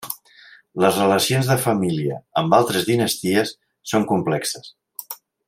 Les relacions de família amb altres dinasties són complexes.